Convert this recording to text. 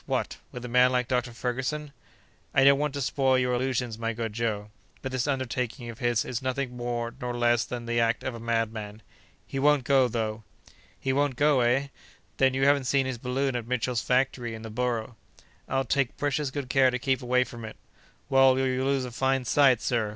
What! with a man like Dr. Ferguson?" "I don't want to spoil your illusions, my good Joe; but this undertaking of his is nothing more nor less than the act of a madman. He won't go, though!" "He won't go, eh? Then you haven't seen his balloon at Mitchell's factory in the Borough?" "I'll take precious good care to keep away from it!" "Well, you'll lose a fine sight, sir.